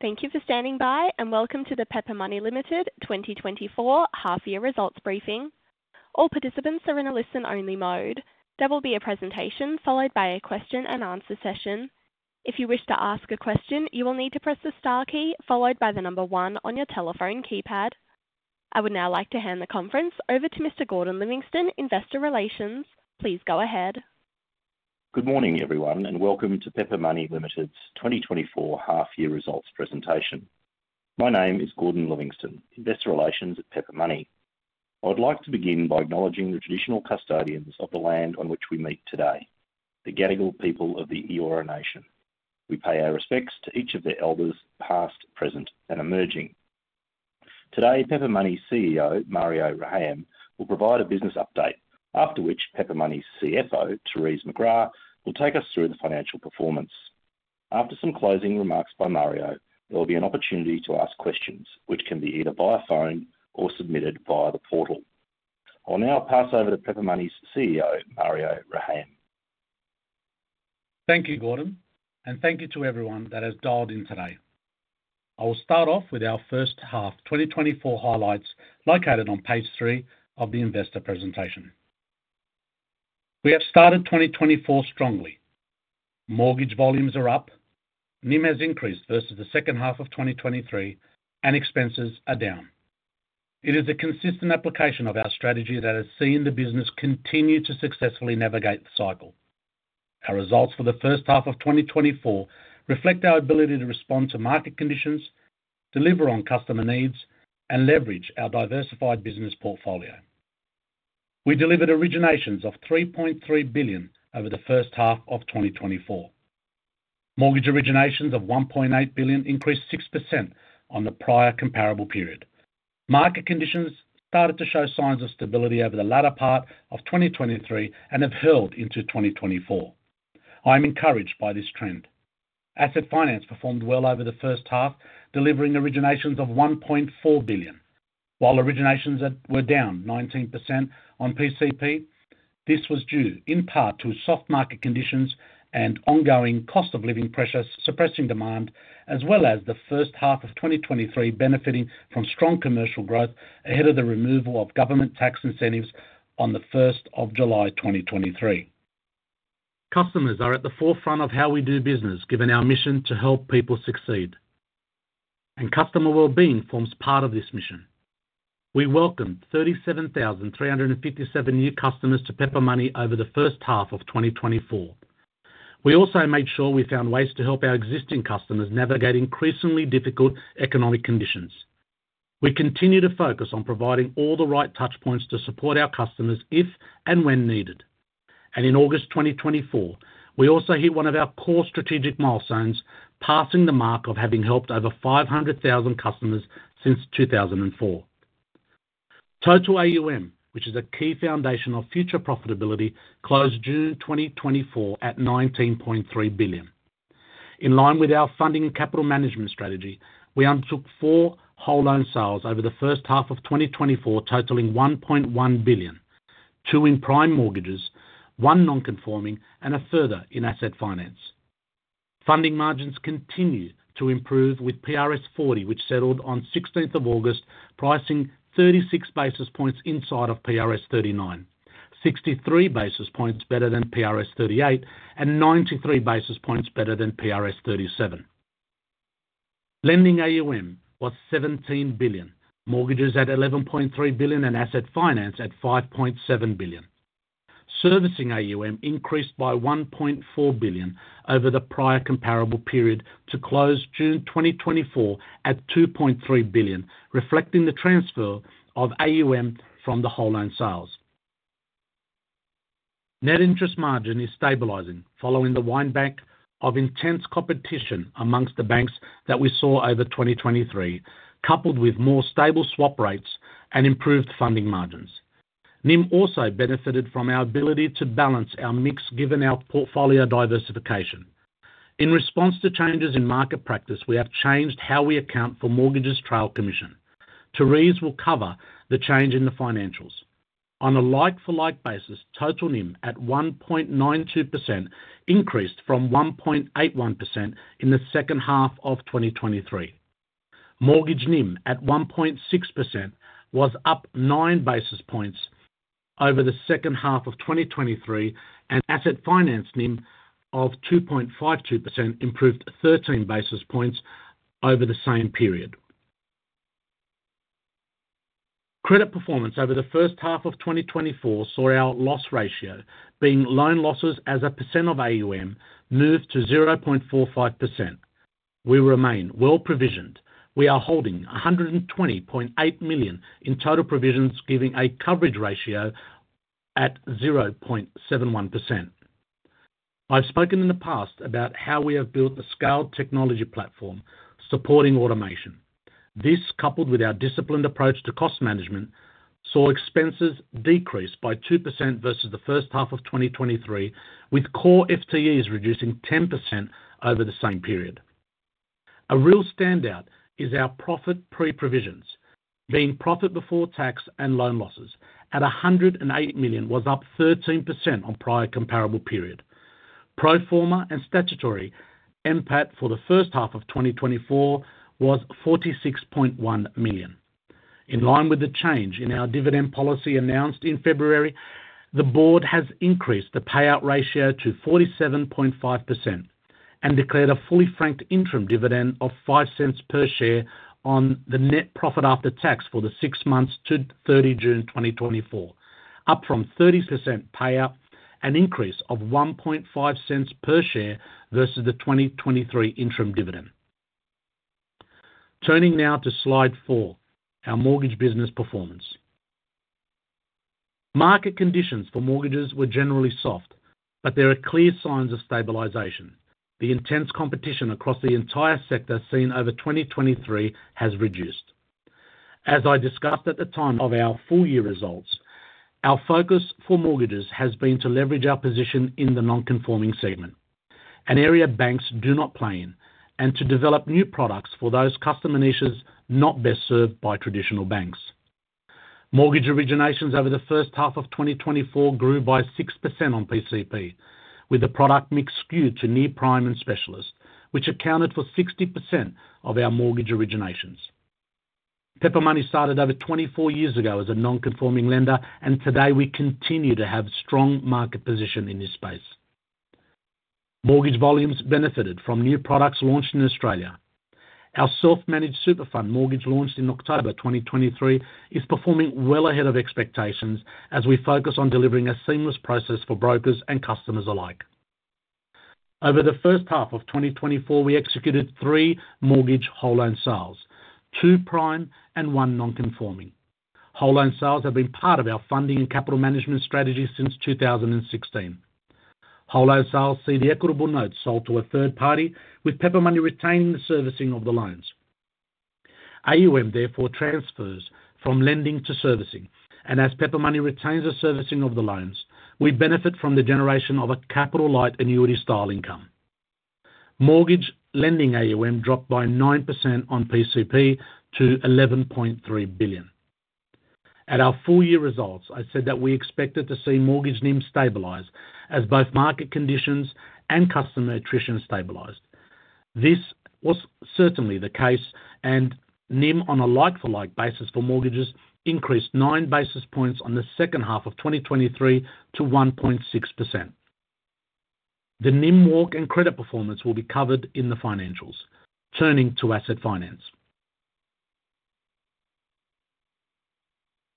Thank you for standing by, and welcome to the Pepper Money Limited twenty twenty-four half year results briefing. All participants are in a listen-only mode. There will be a presentation, followed by a question-and-answer session. If you wish to ask a question, you will need to press the star key, followed by the number one on your telephone keypad. I would now like to hand the conference over to Mr. Gordon Livingstone, Investor Relations. Please go ahead. Good morning, everyone, and welcome to Pepper Money Limited's 2024 half year results presentation. My name is Gordon Livingstone, Investor Relations at Pepper Money. I would like to begin by acknowledging the traditional custodians of the land on which we meet today, the Gadigal people of the Eora Nation. We pay our respects to each of their elders, past, present, and emerging. Today, Pepper Money CEO, Mario Rehayem, will provide a business update, after which Pepper Money's CFO, Therese McGrath, will take us through the financial performance. After some closing remarks by Mario, there will be an opportunity to ask questions, which can be either via phone or submitted via the portal. I'll now pass over to Pepper Money's CEO, Mario Rehayem. Thank you, Gordon, and thank you to everyone that has dialed in today. I will start off with our first half 2024 highlights, located on page 3 of the investor presentation. We have started 2024 strongly. Mortgage volumes are up, NIM has increased versus the second half of 2023, and expenses are down. It is a consistent application of our strategy that has seen the business continue to successfully navigate the cycle. Our results for the first half of 2024 reflect our ability to respond to market conditions, deliver on customer needs, and leverage our diversified business portfolio. We delivered originations of AUD 3.3 billion over the first half of 2024. Mortgage originations of AUD 1.8 billion increased 6% on the prior comparable period. Market conditions started to show signs of stability over the latter part of 2023 and have held into 2024. I'm encouraged by this trend. Asset finance performed well over the first half, delivering originations of 1.4 billion, while originations were down 19% on PCP. This was due, in part, to soft market conditions and ongoing cost of living pressures suppressing demand, as well as the first half of 2023 benefiting from strong commercial growth ahead of the removal of government tax incentives on the first of July, 2023. Customers are at the forefront of how we do business, given our mission to help people succeed, and customer well-being forms part of this mission. We welcomed 37,357 new customers to Pepper Money over the first half of 2024. We also made sure we found ways to help our existing customers navigate increasingly difficult economic conditions. We continue to focus on providing all the right touch points to support our customers if and when needed. In August twenty twenty-four, we also hit one of our core strategic milestones, passing the mark of having helped over five hundred thousand customers since two thousand and four. Total AUM, which is a key foundation of future profitability, closed June twenty twenty-four at 19.3 billion. In line with our funding and capital management strategy, we undertook four whole loan sales over the first half of twenty twenty-four, totaling 1.1 billion, two in prime mortgages, one non-conforming, and a further in asset finance. Funding margins continue to improve with PRS40, which settled on 16th of August, pricing 36 basis points inside of PRS39, 63 basis points better than PRS38, and 93 basis points better than PRS37. Lending AUM was AUD 17 billion, mortgages at AUD 11.3 billion, and asset finance at AUD 5.7 billion. Servicing AUM increased by AUD 1.4 billion over the prior comparable period to close June 2024 at AUD 2.3 billion, reflecting the transfer of AUM from the whole loan sales. Net interest margin is stabilizing, following the wind back of intense competition amongst the banks that we saw over 2023, coupled with more stable swap rates and improved funding margins. NIM also benefited from our ability to balance our mix, given our portfolio diversification. In response to changes in market practice, we have changed how we account for mortgages trail commission. Therese will cover the change in the financials. On a like-for-like basis, total NIM at 1.92% increased from 1.81% in the second half of 2023. Mortgage NIM at 1.6% was up 9 basis points over the second half of 2023, and asset finance NIM of 2.52% improved 13 basis points over the same period. Credit performance over the first half of 2024 saw our loss ratio being loan losses as a percent of AUM moved to 0.45%. We remain well-provisioned. We are holding 120.8 million in total provisions, giving a coverage ratio at 0.71%. I've spoken in the past about how we have built a scaled technology platform supporting automation. This, coupled with our disciplined approach to cost management, saw expenses decrease by 2% versus the first half of 2023, with core FTEs reducing 10% over the same period. A real standout is our profit before tax and loan losses, at 108 million, was up 13% on prior comparable period. Pro forma and statutory NPAT for the first half of 2024 was 46.1 million. In line with the change in our dividend policy announced in February, the board has increased the payout ratio to 47.5% and declared a fully franked interim dividend of 0.05 per share on the net profit after tax for the six months to 30 June 2024, up from 30% payout, an increase of 0.015 per share versus the 2023 interim dividend. Turning now to Slide Four: Our Mortgage Business Performance. Market conditions for mortgages were generally soft, but there are clear signs of stabilization. The intense competition across the entire sector, seen over 2023, has reduced. As I discussed at the time of our full-year results, our focus for mortgages has been to leverage our position in the non-conforming segment, an area banks do not play in, and to develop new products for those customer niches not best served by traditional banks. Mortgage originations over the first half of 2024 grew by 6% on PCP, with the product mix skewed to near-prime and specialist, which accounted for 60% of our mortgage originations. Pepper Money started over 24 years ago as a non-conforming lender, and today, we continue to have strong market position in this space. Mortgage volumes benefited from new products launched in Australia. Our self-managed super fund mortgage, launched in October twenty twenty-three, is performing well ahead of expectations, as we focus on delivering a seamless process for brokers and customers alike. Over the first half of twenty twenty-four, we executed three mortgage whole loan sales, two prime and one non-conforming. Whole loan sales have been part of our funding and capital management strategy since two thousand and sixteen. Whole loan sales see the loans sold to a third party, with Pepper Money retaining the servicing of the loans. AUM therefore transfers from lending to servicing, and as Pepper Money retains the servicing of the loans, we benefit from the generation of a capital-light annuity style income. Mortgage lending AUM dropped by 9% on PCP to 11.3 billion. At our full-year results, I said that we expected to see mortgage NIM stabilize as both market conditions and customer attrition stabilized. This was certainly the case, and NIM, on a like-for-like basis for mortgages, increased nine basis points on the second half of 2023 to 1.6%. The NIM walk and credit performance will be covered in the financials. Turning to asset finance.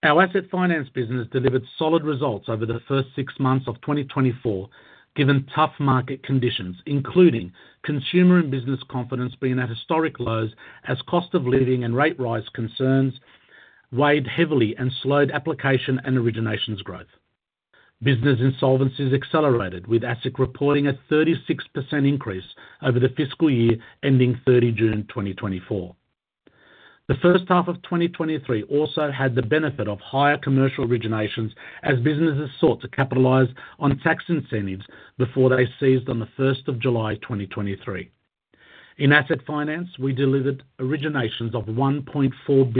Our asset finance business delivered solid results over the first six months of 2024, given tough market conditions, including consumer and business confidence being at historic lows as cost of living and rate rise concerns weighed heavily and slowed application and originations growth. Business insolvencies accelerated, with ASIC reporting a 36% increase over the fiscal year, ending 30 June 2024. The first half of 2023 also had the benefit of higher commercial originations as businesses sought to capitalize on tax incentives before they ceased on the first of July 2023. In asset finance, we delivered originations of 1.4 billion,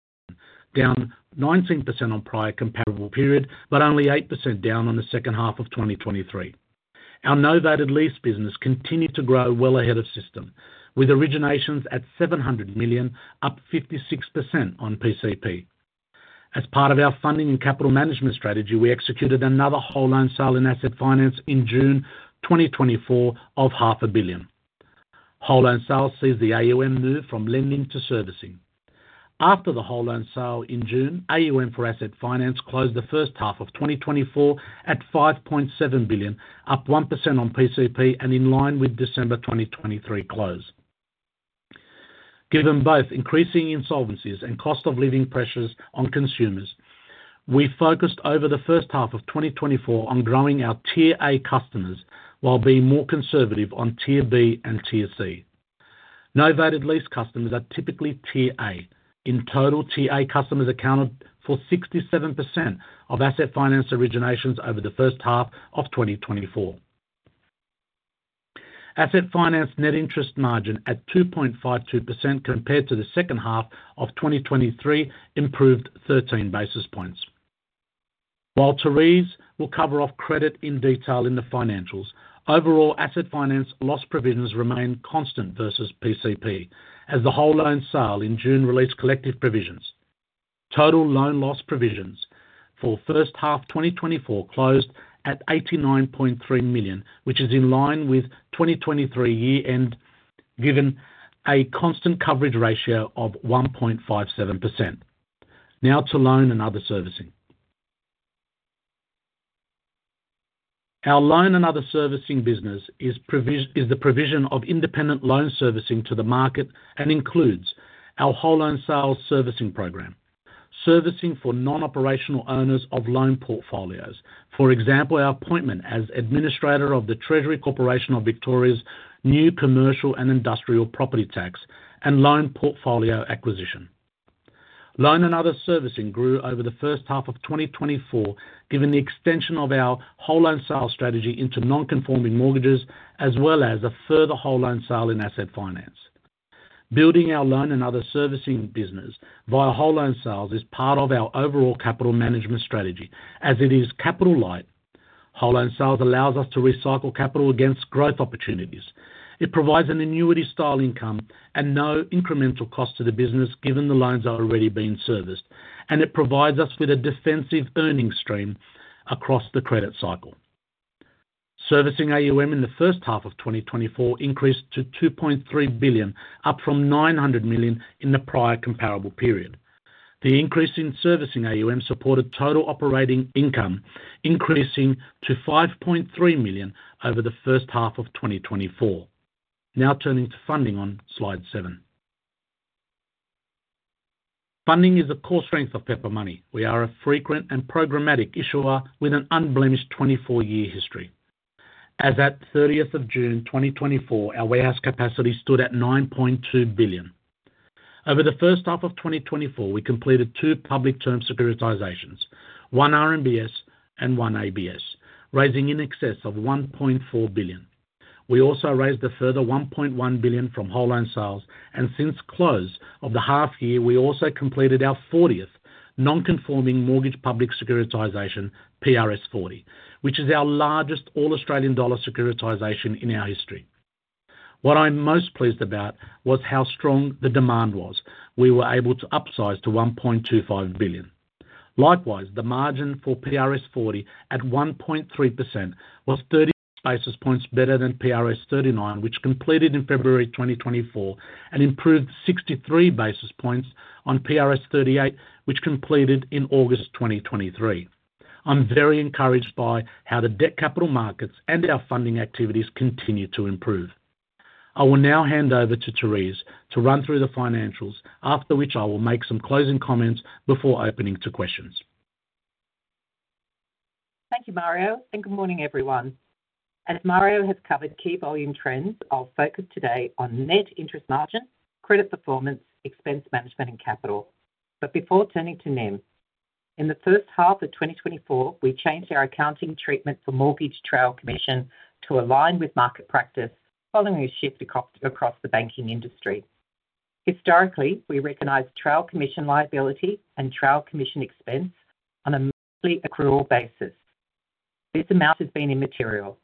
down 19% on prior comparable period, but only 8% down on the second half of 2023. Our novated lease business continued to grow well ahead of system, with originations at 700 million, up 56% on PCP. As part of our funding and capital management strategy, we executed another whole loan sale in asset finance in June 2024 of 500 million. Whole loan sale sees the AUM move from lending to servicing. After the whole loan sale in June, AUM for asset finance closed the first half of 2024 at 5.7 billion, up 1% on PCP and in line with December 2023 close. Given both increasing insolvencies and cost of living pressures on consumers, we focused over the first half of 2024 on growing our Tier A customers, while being more conservative on Tier B and Tier C. Novated lease customers are typically Tier A. In total, Tier A customers accounted for 67% of asset finance originations over the first half of 2024. Asset finance net interest margin at 2.52% compared to the second half of 2023, improved 13 basis points. While Therese will cover off credit in detail in the financials, overall, asset finance loss provisions remain constant versus PCP, as the whole loan sale in June released collective provisions. Total loan loss provisions for first half 2024 closed at 89.3 million, which is in line with 2023 year-end, given a constant coverage ratio of 1.57%. Now to loan and other servicing. Our loan and other servicing business is the provision of independent loan servicing to the market and includes our whole loan sales servicing program, servicing for non-operational owners of loan portfolios. For example, our appointment as administrator of the Treasury Corporation of Victoria's new Commercial and Industrial Property Tax and Loan Portfolio Acquisition. Loan and other servicing grew over the first half of twenty twenty-four, given the extension of our whole loan sales strategy into non-conforming mortgages, as well as a further whole loan sale in asset finance. Building our loan and other servicing business via whole loan sales is part of our overall capital management strategy, as it is capital light. Whole loan sales allows us to recycle capital against growth opportunities. It provides an annuity style income and no incremental cost to the business, given the loans are already being serviced, and it provides us with a defensive earning stream across the credit cycle. Servicing AUM in the first half of twenty twenty-four increased to two point three billion, up from nine hundred million in the prior comparable period. The increase in servicing AUM supported total operating income, increasing to five point three million over the first half of twenty twenty-four. Now turning to funding on slide seven. Funding is a core strength of Pepper Money. We are a frequent and programmatic issuer with an unblemished twenty-four year history. As at thirtieth of June, twenty twenty-four, our warehouse capacity stood at 9.2 billion. Over the first half of twenty twenty-four, we completed two public term securitizations, one RMBS and one ABS, raising in excess of 1.4 billion. We also raised a further 1.1 billion from whole loan sales, and since close of the half year, we also completed our fortieth non-conforming mortgage public securitization, PRS40, which is our largest all Australian dollar securitization in our history. What I'm most pleased about was how strong the demand was. We were able to upsize to 1.25 billion. Likewise, the margin for PRS40 at 1.3% was 30 basis points better than PRS39, which completed in February 2024, and improved 63 basis points on PRS38, which completed in August 2023. I'm very encouraged by how the debt capital markets and our funding activities continue to improve. I will now hand over to Therese to run through the financials, after which I will make some closing comments before opening to questions. Thank you, Mario, and good morning, everyone. As Mario has covered key volume trends, I'll focus today on net interest margin, credit performance, expense management, and capital. But before turning to NIM, in the first half of twenty twenty-four, we changed our accounting treatment for mortgage trail commission to align with market practice following a shift across the banking industry. Historically, we recognized trail commission liability and trail commission expense on a monthly accrual basis. This amount has been immaterial.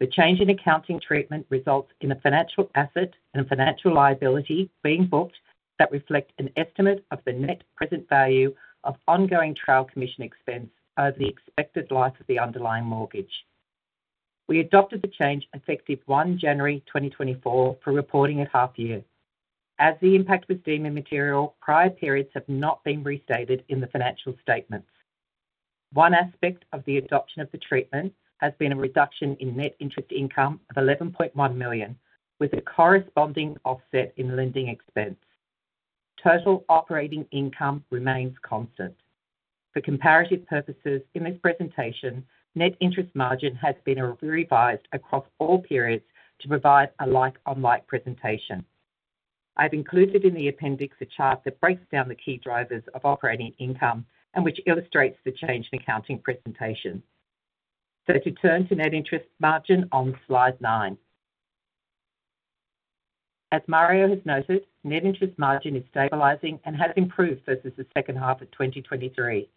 The change in accounting treatment results in a financial asset and a financial liability being booked that reflect an estimate of the net present value of ongoing trail commission expense over the expected life of the underlying mortgage. We adopted the change effective one January twenty twenty-four for reporting a half year. As the impact was deemed immaterial, prior periods have not been restated in the financial statements. One aspect of the adoption of the treatment has been a reduction in net interest income of 11.1 million, with a corresponding offset in lending expense. Total operating income remains constant. For comparative purposes, in this presentation, net interest margin has been revised across all periods to provide a like-for-like presentation. I've included in the appendix a chart that breaks down the key drivers of operating income, and which illustrates the change in accounting presentation. So to turn to net interest margin on slide nine. As Mario has noted, net interest margin is stabilizing and has improved versus the second half of 2023.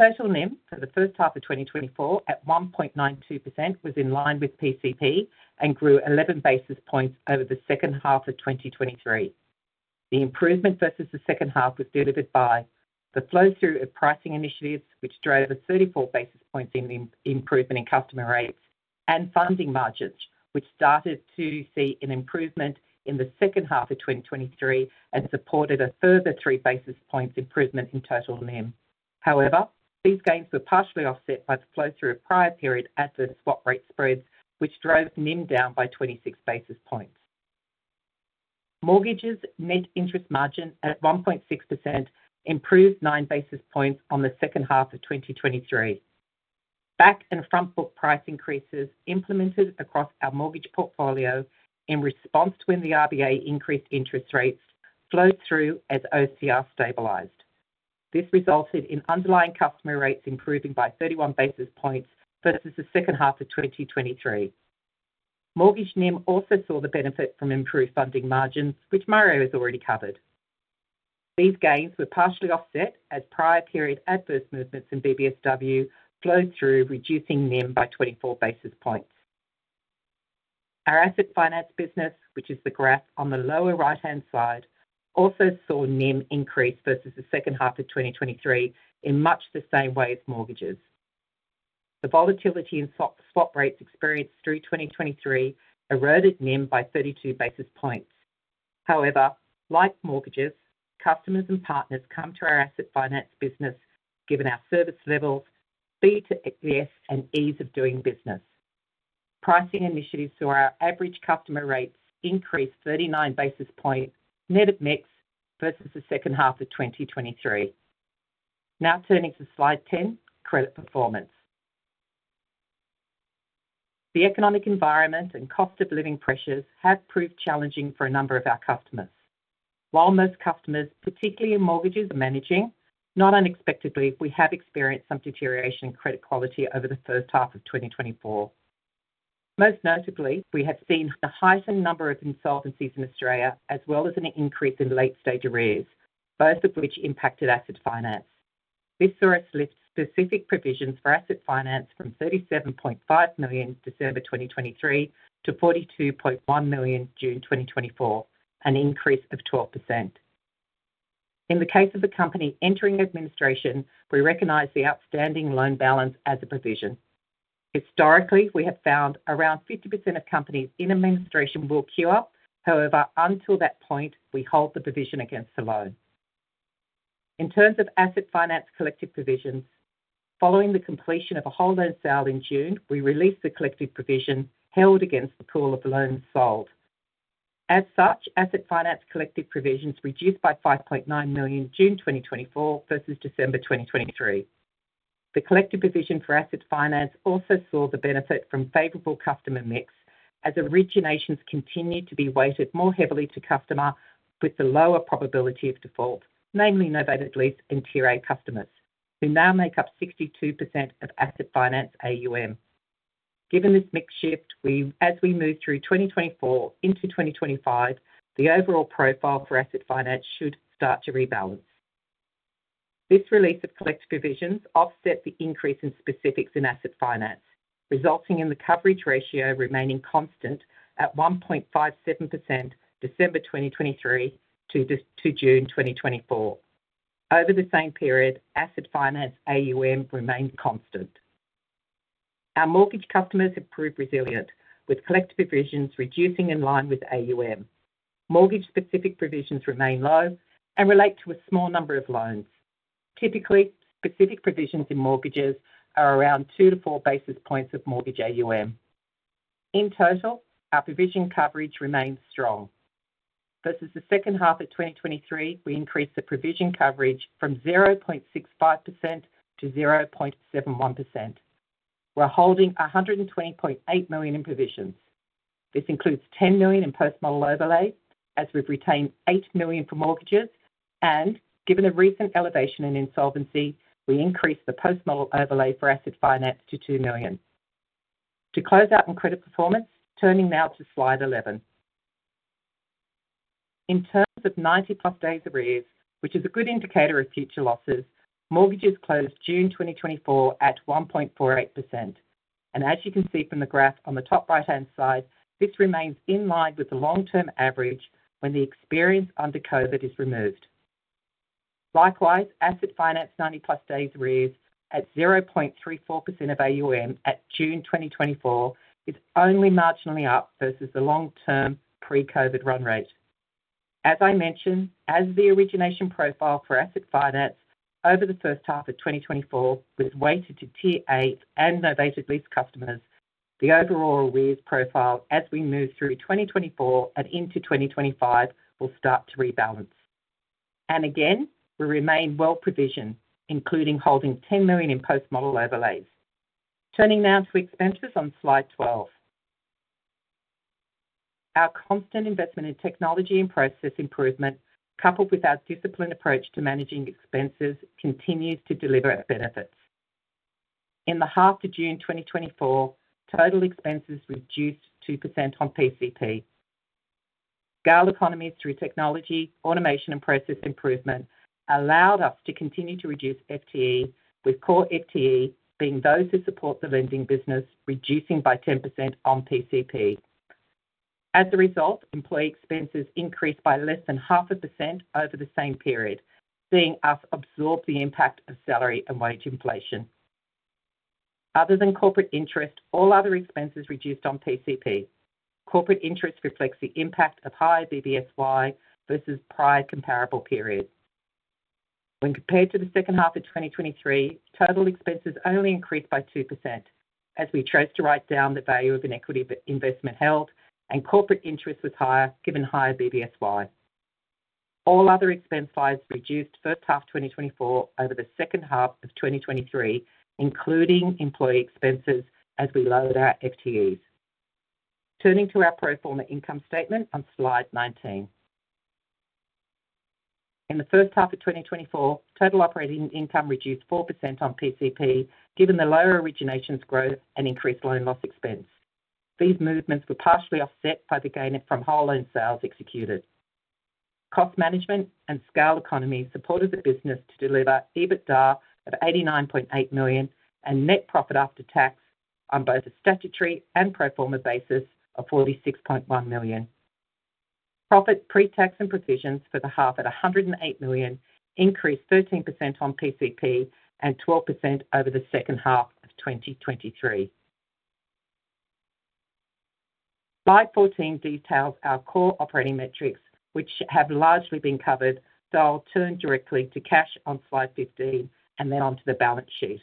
Total NIM for the first half of 2024, at 1.92%, was in line with PCP and grew 11 basis points over the second half of 2023. The improvement versus the second half was delivered by the flow-through of pricing initiatives, which drove a thirty-four basis points in the improvement in customer rates and funding margins, which started to see an improvement in the second half of 2023 and supported a further three basis points improvement in total NIM. However, these gains were partially offset by the flow-through of prior period adverse swap rate spreads, which drove NIM down by twenty-six basis points. Mortgages net interest margin at 1.6%, improved nine basis points on the second half of 2023. Back and front book price increases implemented across our mortgage portfolio in response when the RBA increased interest rates flowed through as OCR stabilized. This resulted in underlying customer rates improving by thirty-one basis points versus the second half of 2023. Mortgage NIM also saw the benefit from improved funding margins, which Mario has already covered. These gains were partially offset as prior period adverse movements in BBSW flowed through, reducing NIM by twenty-four basis points. Our asset finance business, which is the graph on the lower right-hand side, also saw NIM increase versus the second half of 2023 in much the same way as mortgages. The volatility in swap rates experienced through 2023 eroded NIM by thirty-two basis points. However, like mortgages, customers and partners come to our asset finance business, given our service levels, speed to yes, and ease of doing business. Pricing initiatives saw our average customer rates increase thirty-nine basis points net of mix versus the second half of 2023. Now turning to slide 10, credit performance. The economic environment and cost of living pressures have proved challenging for a number of our customers. While most customers, particularly in mortgages, are managing, not unexpectedly, we have experienced some deterioration in credit quality over the first half of 2024. Most notably, we have seen the heightened number of insolvencies in Australia, as well as an increase in late-stage arrears, both of which impacted asset finance. This saw us lift specific provisions for asset finance from 37.5 million, December 2023, to 42.1 million, June 2024, an increase of 12%. In the case of the company entering administration, we recognize the outstanding loan balance as a provision. Historically, we have found around 50% of companies in administration will cure. However, until that point, we hold the provision against the loan. In terms of asset finance collective provisions, following the completion of a whole loan sale in June, we released the collective provision held against the pool of loans sold. As such, asset finance collective provisions reduced by 5.9 million, June twenty twenty-four, versus December twenty twenty-three. The collective provision for asset finance also saw the benefit from favorable customer mix, as originations continued to be weighted more heavily to customer with the lower probability of default, namely, novated lease and Tier A customers, who now make up 62% of asset finance AUM. Given this mix shift, we, as we move through twenty twenty-four into twenty twenty-five, the overall profile for asset finance should start to rebalance. This release of collective provisions offset the increase in specifics in asset finance, resulting in the coverage ratio remaining constant at 1.57%, December 2023 to June 2024. Over the same period, asset finance AUM remained constant. Our mortgage customers have proved resilient, with collective provisions reducing in line with AUM. Mortgage-specific provisions remain low and relate to a small number of loans. Typically, specific provisions in mortgages are around two to four basis points of mortgage AUM. In total, our provision coverage remains strong. Versus the second half of 2023, we increased the provision coverage from 0.65% to 0.71%. We're holding 120.8 million in provisions. This includes 10 million in post-model overlay, as we've retained 8 million for mortgages, and given the recent elevation in insolvency, we increased the post-model overlay for asset finance to 2 million. To close out on credit performance, turning now to Slide 11. In terms of ninety-plus days arrears, which is a good indicator of future losses, mortgages closed June 2024 at 1.48%., and as you can see from the graph on the top right-hand side, this remains in line with the long-term average when the experience under COVID is removed. Likewise, asset finance ninety-plus days arrears at 0.34% of AUM at June 2024, is only marginally up versus the long-term pre-COVID run rate. As I mentioned, as the origination profile for asset finance over the first half of twenty twenty-four was weighted to Tier A and novated lease customers, the overall arrears profile, as we move through twenty twenty-four and into twenty twenty-five, will start to rebalance, and again, we remain well provisioned, including holding 10 million in post-model overlays. Turning now to expenses on Slide 12. Our constant investment in technology and process improvement, coupled with our disciplined approach to managing expenses, continues to deliver our benefits. In the half to June twenty twenty-four, total expenses reduced 2% on PCP. Scale economies through technology, automation, and process improvement allowed us to continue to reduce FTE, with core FTE being those who support the lending business, reducing by 10% on PCP. As a result, employee expenses increased by less than 0.5% over the same period, seeing us absorb the impact of salary and wage inflation. Other than corporate interest, all other expenses reduced on PCP. Corporate interest reflects the impact of higher BBSY versus prior comparable periods. When compared to the second half of 2023, total expenses only increased by 2%, as we chose to write down the value of an equity investment held, and corporate interest was higher, given higher BBSY. All other expense sides reduced first half 2024 over the second half of 2023, including employee expenses, as we lowered our FTEs. Turning to our pro forma income statement on Slide 19. In the first half of 2024, total operating income reduced 4% on PCP, given the lower originations growth and increased loan loss expense. These movements were partially offset by the gain from whole loan sales executed. Cost management and scale economy supported the business to deliver EBITDA of 89.8 million, and net profit after tax on both a statutory and pro forma basis of 46.1 million. Profit pre-tax and provisions for the half, at 108 million, increased 13% on PCP and 12% over the second half of 2023. Slide 14 details our core operating metrics, which have largely been covered, so I'll turn directly to cash on Slide 15, and then onto the balance sheet.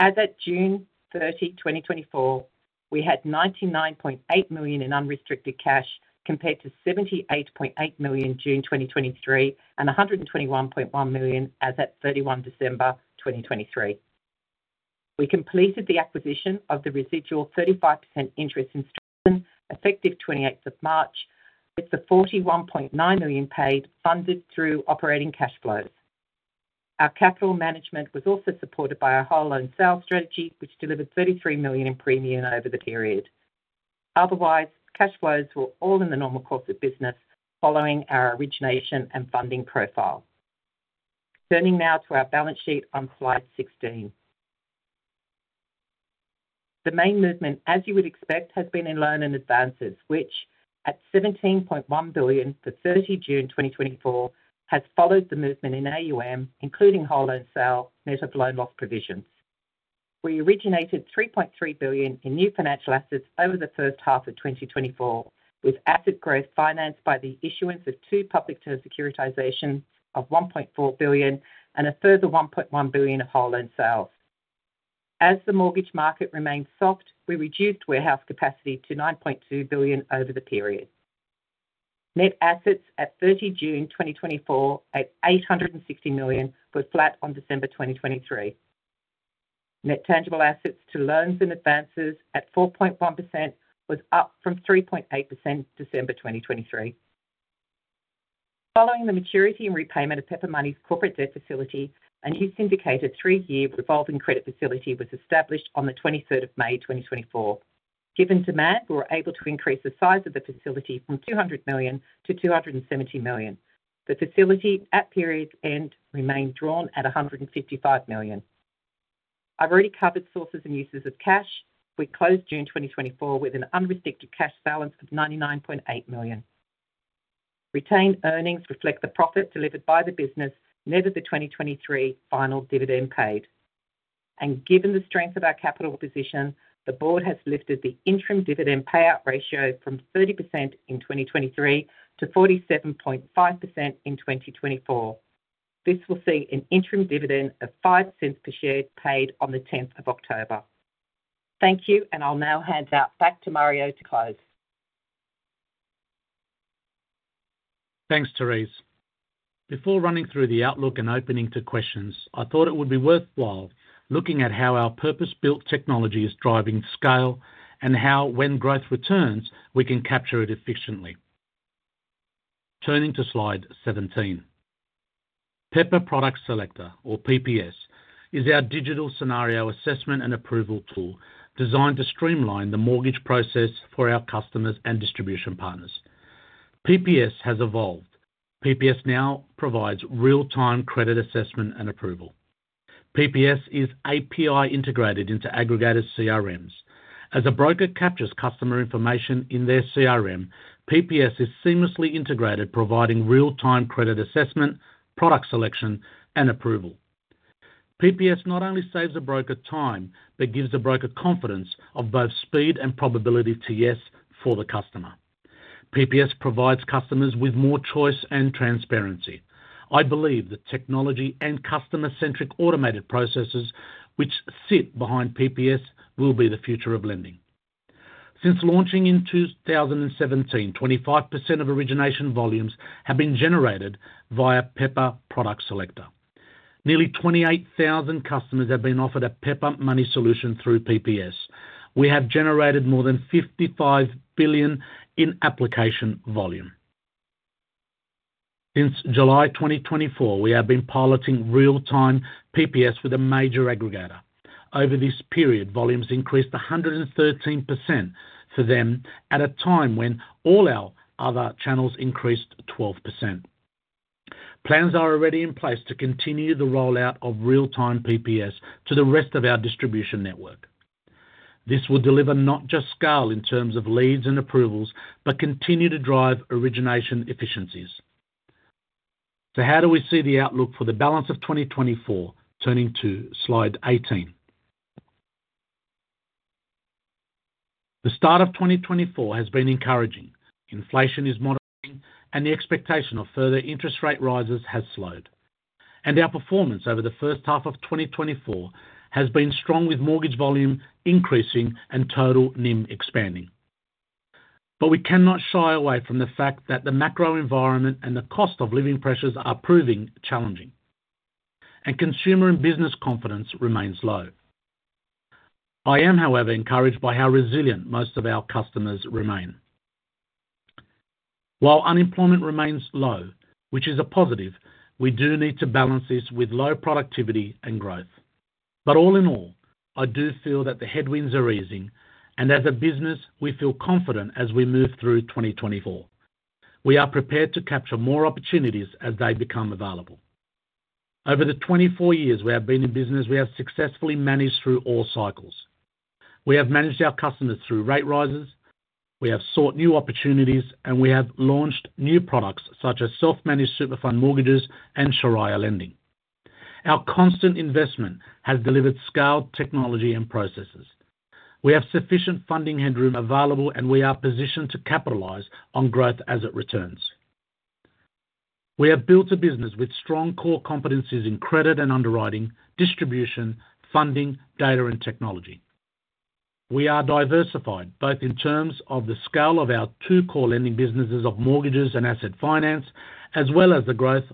As at June 30, 2024, we had 99.8 million in unrestricted cash, compared to 78.8 million, June 2023, and 121.1 million as at December 31, 2023. We completed the acquisition of the residual 35% interest in Stratton, effective twenty-eighth of March, with the 41.9 million paid, funded through operating cash flows. Our capital management was also supported by our whole loan sales strategy, which delivered 33 million in premium over the period. Otherwise, cash flows were all in the normal course of business following our origination and funding profile. Turning now to our balance sheet on slide 16. The main movement, as you would expect, has been in loans and advances, which at 17.1 billion for 30 June 2024, has followed the movement in AUM, including whole loan sale, net of loan loss provisions. We originated 3.3 billion in new financial assets over the first half of 2024, with asset growth financed by the issuance of two public term securitizations of 1.4 billion, and a further 1.1 billion of whole loan sales. As the mortgage market remains soft, we reduced warehouse capacity to 9.2 billion over the period. Net assets at 30 June 2024, at 860 million, were flat on December 2023. Net tangible assets to loans and advances at 4.1% was up from 3.8% December 2023. Following the maturity and repayment of Pepper Money's corporate debt facility, a new syndicated three-year revolving credit facility was established on 23 May 2024. Given demand, we were able to increase the size of the facility from 200 million to 270 million. The facility at period end remained drawn at 155 million. I've already covered sources and uses of cash. We closed June 2024 with an unrestricted cash balance of 99.8 million. Retained earnings reflect the profit delivered by the business, net of the 2023 final dividend paid. And given the strength of our capital position, the board has lifted the interim dividend payout ratio from 30% in 2023 to 47.5% in 2024. This will see an interim dividend of 0.05 per share paid on the tenth of October. Thank you, and I'll now hand it back to Mario to close. Thanks, Therese. Before running through the outlook and opening to questions, I thought it would be worthwhile looking at how our purpose-built technology is driving scale, and how, when growth returns, we can capture it efficiently. Turning to Slide 17. Pepper Product Selector or PPS is our digital scenario assessment and approval tool, designed to streamline the mortgage process for our customers and distribution partners. PPS has evolved. PPS now provides real-time credit assessment and approval. PPS is API integrated into aggregated CRMs. As a broker captures customer information in their CRM, PPS is seamlessly integrated, providing real-time credit assessment, product selection, and approval. PPS not only saves a broker time, but gives the broker confidence of both speed and probability to yes for the customer. PPS provides customers with more choice and transparency. I believe that technology and customer-centric automated processes, which sit behind PPS, will be the future of lending. Since launching in 2017, 25% of origination volumes have been generated via Pepper Product Selector. Nearly 28,000 customers have been offered a Pepper Money solution through PPS. We have generated more than 55 billion in application volume. Since July 2024, we have been piloting real-time PPS with a major aggregator. Over this period, volumes increased 113% for them, at a time when all our other channels increased 12%. Plans are already in place to continue the rollout of real-time PPS to the rest of our distribution network. This will deliver not just scale in terms of leads and approvals, but continue to drive origination efficiencies. So how do we see the outlook for the balance of 2024? Turning to Slide 18. The start of twenty twenty-four has been encouraging. Inflation is moderating, and the expectation of further interest rate rises has slowed. And our performance over the first half of twenty twenty-four has been strong, with mortgage volume increasing and total NIM expanding. But we cannot shy away from the fact that the macro environment and the cost of living pressures are proving challenging, and consumer and business confidence remains low. I am, however, encouraged by how resilient most of our customers remain. While unemployment remains low, which is a positive, we do need to balance this with low productivity and growth. But all in all, I do feel that the headwinds are easing, and as a business, we feel confident as we move through twenty twenty-four. We are prepared to capture more opportunities as they become available. Over the twenty-four years we have been in business, we have successfully managed through all cycles. We have managed our customers through rate rises, we have sought new opportunities, and we have launched new products such as self-managed super fund mortgages and Shariah lending. Our constant investment has delivered scaled technology and processes. We have sufficient funding headroom available, and we are positioned to capitalize on growth as it returns. We have built a business with strong core competencies in credit and underwriting, distribution, funding, data, and technology... We are diversified, both in terms of the scale of our two core lending businesses of mortgages and asset finance, as well as the growth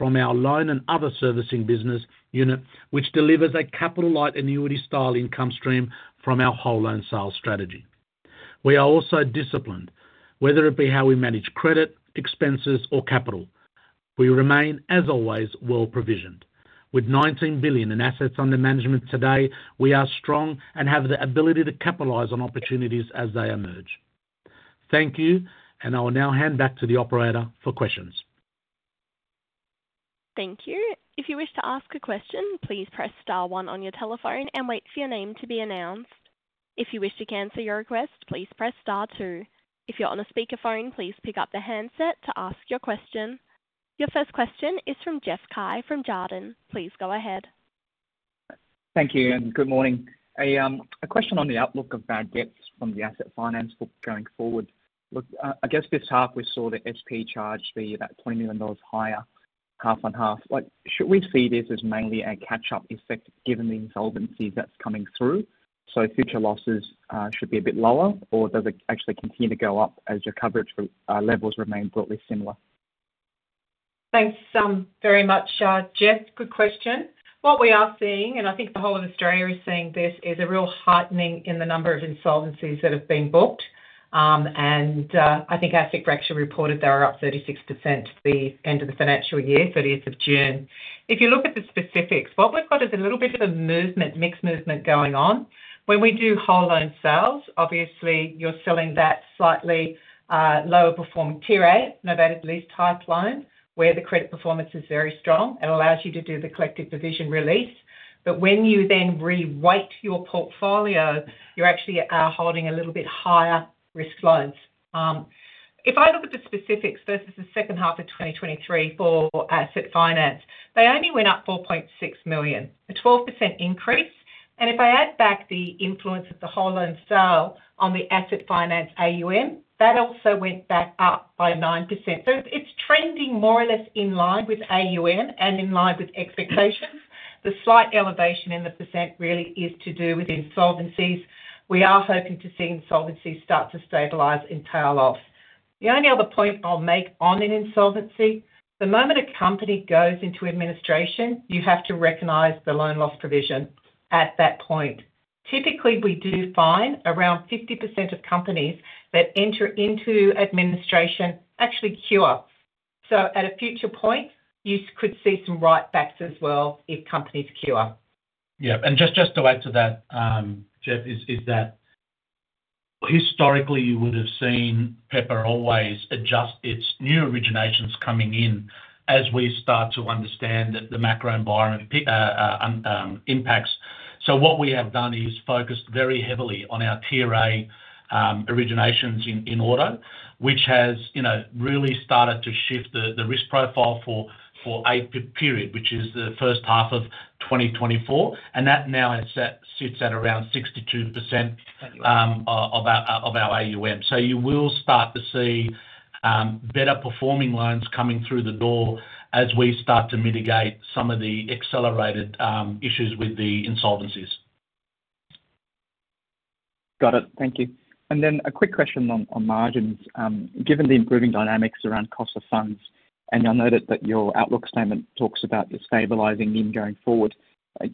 from our loan and other servicing business unit, which delivers a capital light annuity style income stream from our whole loan sales strategy. We are also disciplined, whether it be how we manage credit, expenses, or capital. We remain, as always, well-provisioned. With 19 billion in assets under management today, we are strong and have the ability to capitalize on opportunities as they emerge. Thank you, and I will now hand back to the operator for questions. Thank you. If you wish to ask a question, please press star one on your telephone and wait for your name to be announced. If you wish to cancel your request, please press star two. If you're on a speakerphone, please pick up the handset to ask your question. Your first question is from Jeff Cai from Jarden. Please go ahead. Thank you, and good morning. A, a question on the outlook of our debts from the asset finance book going forward. Look, I guess this half we saw the HP charge be about 20 million dollars higher, half on half. Like, should we see this as mainly a catch-up effect, given the insolvency that's coming through, so future losses should be a bit lower? Or does it actually continue to go up as your coverage ratio levels remain broadly similar? Thanks, very much, Jeff. Good question. What we are seeing, and I think the whole of Australia is seeing this, is a real heightening in the number of insolvencies that have been booked, and I think ASIC actually reported they were up 36% the end of the financial year, thirtieth of June. If you look at the specifics, what we've got is a little bit of a movement, mix movement going on. When we do whole loan sales, obviously, you're selling that slightly lower performing Tier A, novated lease type loan, where the credit performance is very strong and allows you to do the collective provision release. But when you then re-weight your portfolio, you actually are holding a little bit higher risk loans. If I look at the specifics versus the second half of twenty twenty-three for asset finance, they only went up 4.6 million, a 12% increase, and if I add back the influence of the whole loan sale on the asset finance AUM, that also went back up by 9%. So it's trending more or less in line with AUM and in line with expectations. The slight elevation in the percent really is to do with insolvencies. We are hoping to see insolvencies start to stabilize and tail off. The only other point I'll make on an insolvency, the moment a company goes into administration, you have to recognize the loan loss provision at that point. Typically, we do find around 50% of companies that enter into administration actually cure. So at a future point, you could see some write backs as well if companies cure. Yeah, and just to add to that, Jeff, that historically you would have seen Pepper always adjust its new originations coming in as we start to understand the macro environment impacts. So what we have done is focused very heavily on our Tier A originations in auto, which has, you know, really started to shift the risk profile for a period, which is the first half of 2024, and that now sits at around 62% of our AUM. So you will start to see better performing loans coming through the door as we start to mitigate some of the accelerated issues with the insolvencies. Got it. Thank you, and then a quick question on margins. Given the improving dynamics around cost of funds, and I noted that your outlook statement talks about the stabilizing NIM going forward,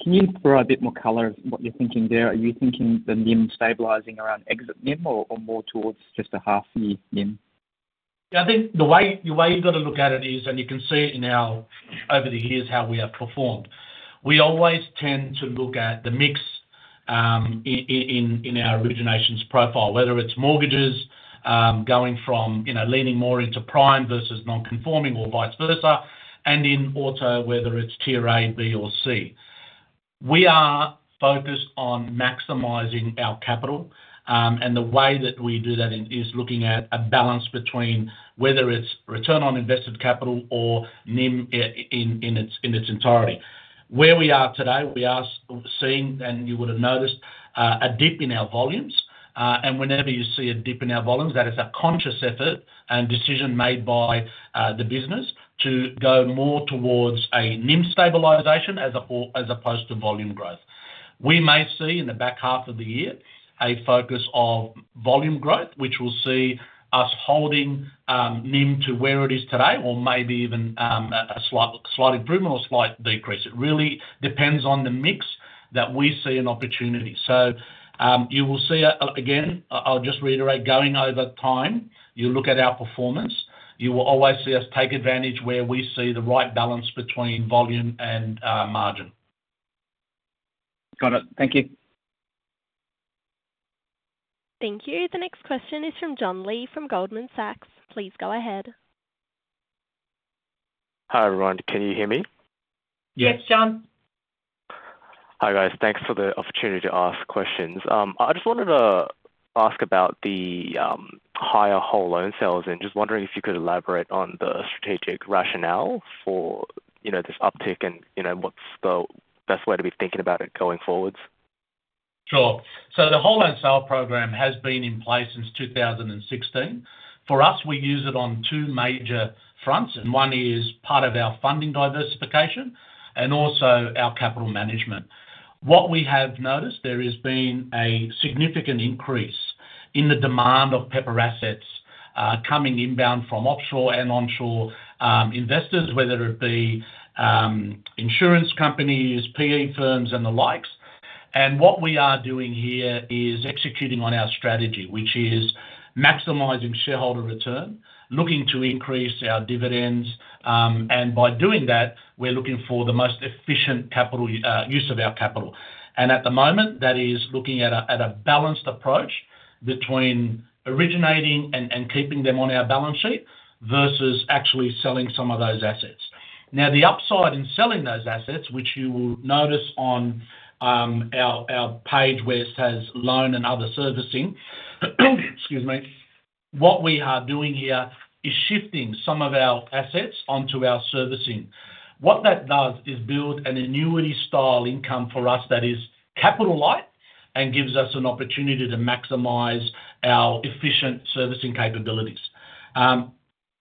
can you provide a bit more color of what you're thinking there? Are you thinking the NIM stabilizing around exit NIM or more towards just a half year NIM? Yeah, I think the way you've got to look at it is, and you can see in our, over the years, how we have performed. We always tend to look at the mix, in our originations profile, whether it's mortgages, going from, you know, leaning more into prime versus non-conforming or vice versa, and in auto, whether it's tier A, B, or C. We are focused on maximizing our capital, and the way that we do that is looking at a balance between whether it's return on invested capital or NIM in its entirety. Where we are today, we are seeing, and you would have noticed, a dip in our volumes, and whenever you see a dip in our volumes, that is a conscious effort and decision made by the business to go more towards a NIM stabilization as opposed to volume growth. We may see in the back half of the year, a focus of volume growth, which will see us holding NIM to where it is today, or maybe even a slight, slight improvement or slight decrease. It really depends on the mix that we see an opportunity. So, you will see a, again, I'll just reiterate, going over time, you look at our performance, you will always see us take advantage where we see the right balance between volume and margin. Got it. Thank you. Thank you. The next question is from John Lee, from Goldman Sachs. Please go ahead. Hi, everyone. Can you hear me? Yes. Yes, John. Hi, guys. Thanks for the opportunity to ask questions. I just wanted to ask about the higher whole loan sales, and just wondering if you could elaborate on the strategic rationale for, you know, this uptick and, you know, what's the best way to be thinking about it going forwards? Sure. So the whole loan sale program has been in place since two thousand and sixteen. For us, we use it on two major fronts, and one is part of our funding diversification and also our capital management. What we have noticed, there has been a significant increase in the demand of Pepper assets coming inbound from offshore and onshore investors, whether it be insurance companies, PE firms, and the likes. And what we are doing here is executing on our strategy, which is maximizing shareholder return, looking to increase our dividends, and by doing that, we're looking for the most efficient capital use of our capital. And at the moment, that is looking at a balanced approach between originating and keeping them on our balance sheet versus actually selling some of those assets. Now, the upside in selling those assets, which you will notice on our page, where it says loan and other servicing, excuse me. What we are doing here is shifting some of our assets onto our servicing. What that does is build an annuity style income for us that is capital light, and gives us an opportunity to maximize our efficient servicing capabilities.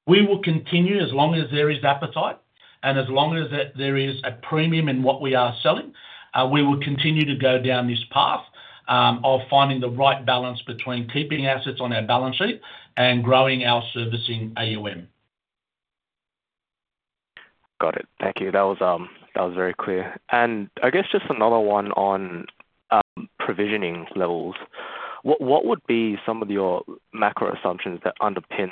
We will continue as long as there is appetite, and as long as there is a premium in what we are selling, we will continue to go down this path, of finding the right balance between keeping assets on our balance sheet and growing our servicing AUM. Got it. Thank you. That was very clear. And I guess just another one on provisioning levels. What would be some of your macro assumptions that underpin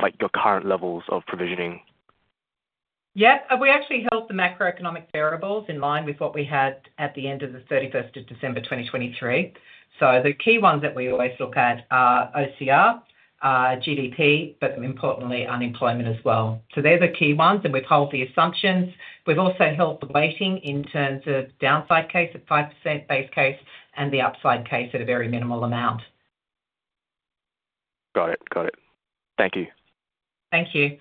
like your current levels of provisioning? Yeah, we actually held the macroeconomic variables in line with what we had at the end of the thirty-first of December, twenty twenty-three, so the key ones that we always look at are OCR, GDP, but importantly, unemployment as well, so they're the key ones, and we've held the assumptions. We've also held the weighting in terms of downside case at 5% base case, and the upside case at a very minimal amount. Got it. Got it. Thank you. Thank you.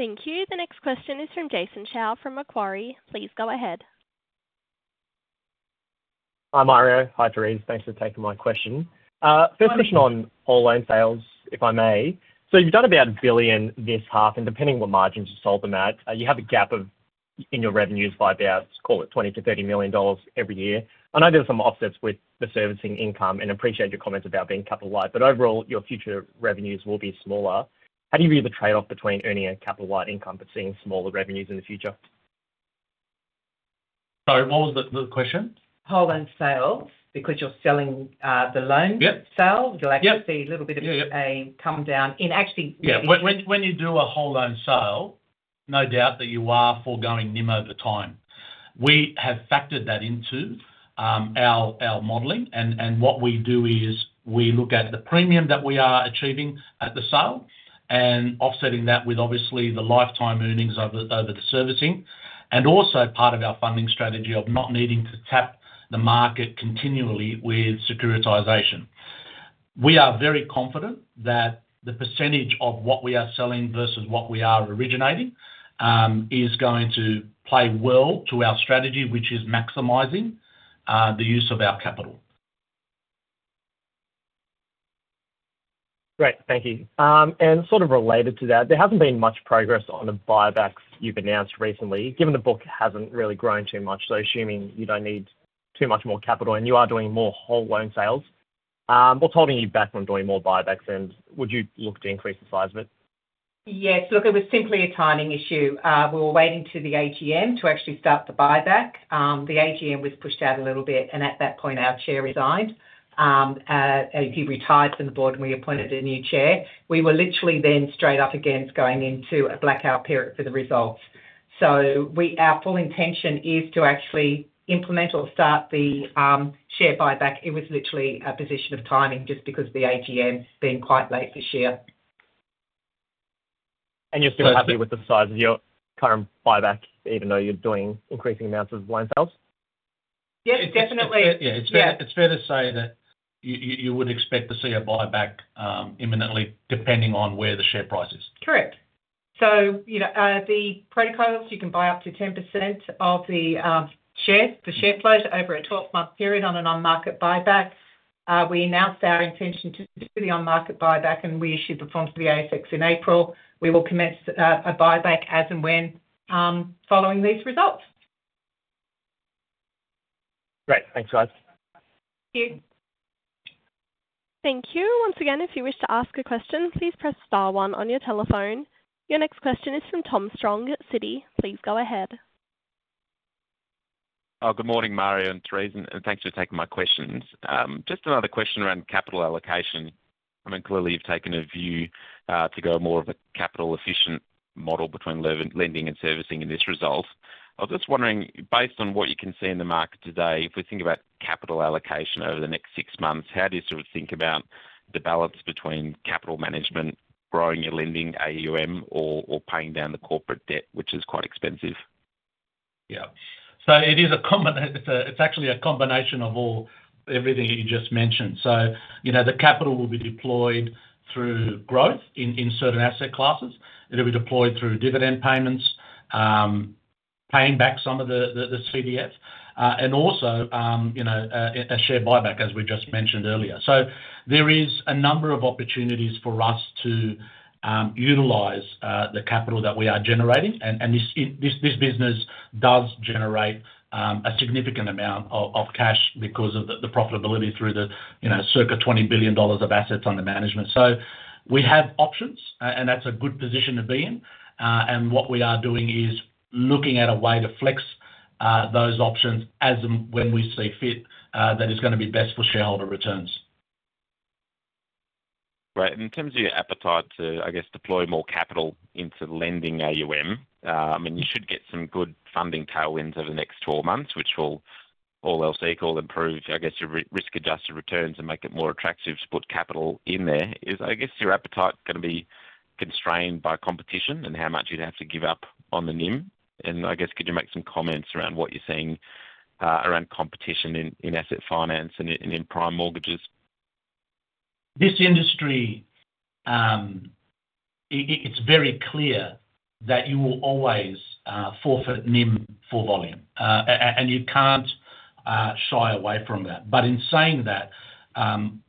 Thank you. The next question is from Jason Chao, from Macquarie. Please go ahead. Hi, Mario. Hi, Therese. Thanks for taking my question. Good morning. First question on whole loan sales, if I may. So you've done about 1 billion this half, and depending what margins you sold them at, you have a gap of in your revenues by about, call it 20 million-30 million dollars every year. I know there's some offsets with the servicing income, and appreciate your comments about being capital light, but overall, your future revenues will be smaller. How do you view the trade-off between earning a capital light income but seeing smaller revenues in the future? Sorry, what was the question? Whole loan sales, because you're selling, the loan. Yep Sales, you'll actually Yep See a little bit of. Yeah, yep Come down in actually. Yeah. When you do a whole loan sale, no doubt that you are foregoing NIM over time. We have factored that into our modeling, and what we do is we look at the premium that we are achieving at the sale, and offsetting that with obviously the lifetime earnings over the servicing, and also part of our funding strategy of not needing to tap the market continually with securitization. We are very confident that the percentage of what we are selling versus what we are originating is going to play well to our strategy, which is maximizing the use of our capital. Great, thank you, and sort of related to that, there hasn't been much progress on the buybacks you've announced recently, given the book hasn't really grown too much, so assuming you don't need too much more capital, and you are doing more whole loan sales, what's holding you back from doing more buybacks, and would you look to increase the size of it? Yes. Look, it was simply a timing issue. We were waiting to the AGM to actually start the buyback. The AGM was pushed out a little bit, and at that point, our chair resigned. He retired from the board, and we appointed a new chair. We were literally then straight up against going into a blackout period for the results. So, our full intention is to actually implement or start the share buyback. It was literally a position of timing, just because the AGM being quite late this year. And you're still happy with the size of your current buyback, even though you're doing increasing amounts of loan sales? Yes, definitely. Yeah, it's fair Yeah It's fair to say that you would expect to see a buyback imminently, depending on where the share price is. Correct, so you know, the protocols, you can buy up to 10% of the shares, the share float over a 12-month period on an on-market buyback. We announced our intention to do the on-market buyback, and we issued the forms to the ASX in April. We will commence a buyback as and when, following these results. Great. Thanks, guys. Thank you. Thank you. Once again, if you wish to ask a question, please press star one on your telephone. Your next question is from Tom Strong at Citi. Please go ahead. Good morning, Mario and Therese, and thanks for taking my questions. Just another question around capital allocation. I mean, clearly you've taken a view to go more of a capital efficient model between lending and servicing in this result. I was just wondering, based on what you can see in the market today, if we think about capital allocation over the next six months, how do you sort of think about the balance between capital management, growing your lending AUM, or paying down the corporate debt, which is quite expensive? Yeah. So it is a combination. It's actually a combination of all everything that you just mentioned. So, you know, the capital will be deployed through growth in certain asset classes. It'll be deployed through dividend payments, paying back some of the CDFs, and also, you know, a share buyback, as we just mentioned earlier. So there is a number of opportunities for us to utilize the capital that we are generating. And this business does generate a significant amount of cash because of the profitability through the, you know, circa 20 billion dollars of assets under management. So we have options, and that's a good position to be in. And what we are doing is looking at a way to flex those options as and when we see fit, that is gonna be best for shareholder returns. Right. And in terms of your appetite to, I guess, deploy more capital into lending AUM, I mean, you should get some good funding tailwinds over the next twelve months, which will, all else equal, improve, I guess, your risk-adjusted returns and make it more attractive to put capital in there. Is, I guess, your appetite gonna be constrained by competition and how much you'd have to give up on the NIM? And I guess, could you make some comments around what you're seeing around competition in asset finance and in prime mortgages? This industry, it's very clear that you will always forfeit NIM for volume, and you can't shy away from that, but in saying that,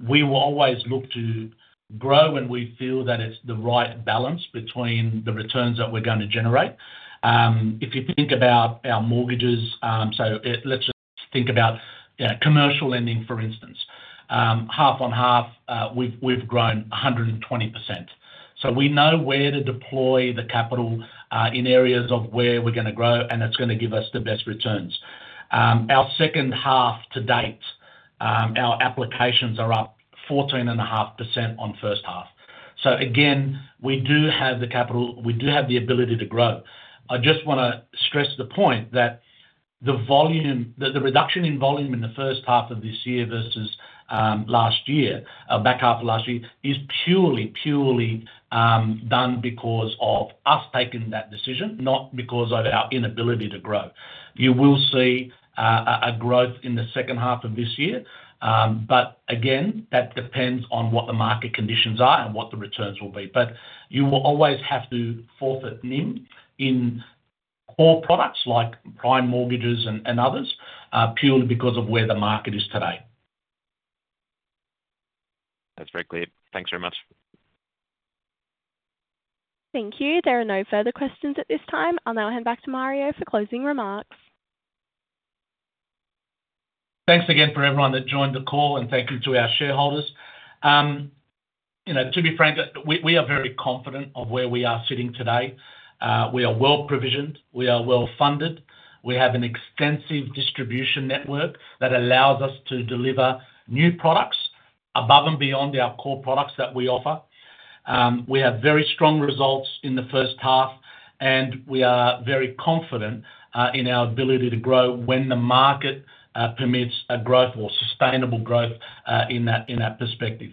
we will always look to grow when we feel that it's the right balance between the returns that we're gonna generate. If you think about our mortgages, so let's just think about, you know, commercial lending, for instance. Half on half, we've grown 100%. So we know where to deploy the capital in areas of where we're gonna grow, and it's gonna give us the best returns. Our second half to date, our applications are up 14.5% on first half. So again, we do have the capital, we do have the ability to grow. I just wanna stress the point that the volume. That the reduction in volume in the first half of this year versus last year, back half of last year, is purely done because of us taking that decision, not because of our inability to grow. You will see a growth in the second half of this year. But again, that depends on what the market conditions are and what the returns will be. But you will always have to forfeit NIM in core products like prime mortgages and others, purely because of where the market is today. That's very clear. Thanks very much. Thank you. There are no further questions at this time. I'll now hand back to Mario for closing remarks. Thanks again for everyone that joined the call, and thank you to our shareholders. You know, to be frank, we are very confident of where we are sitting today. We are well provisioned. We are well funded. We have an extensive distribution network that allows us to deliver new products above and beyond our core products that we offer. We have very strong results in the first half, and we are very confident in our ability to grow when the market permits a growth or sustainable growth in that perspective.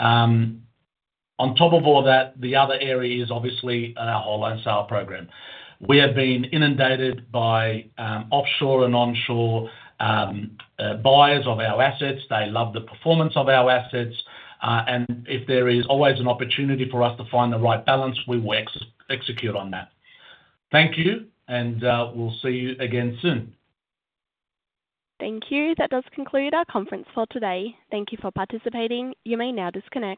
On top of all that, the other area is obviously our whole loan sale program. We have been inundated by offshore and onshore buyers of our assets. They love the performance of our assets, and if there is always an opportunity for us to find the right balance, we will execute on that. Thank you, and we'll see you again soon. Thank you. That does conclude our conference call today. Thank you for participating. You may now disconnect.